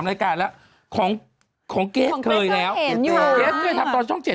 ไม่ได้กินหุ่ยด้านด้วย